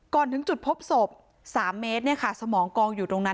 ก่อนถึงจุดพบศพ๓เมตรเนี่ยค่ะสมองกองอยู่ตรงนั้น